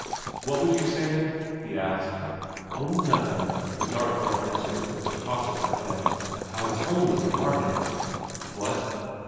"What was you sayin'?" he asked. "Oh, nothin'," the dark girl answered, with a toss of her head. "I was only remarkin'—" "What?"